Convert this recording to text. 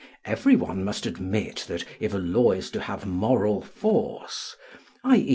Everyone must admit that if a law is to have moral force, i.e.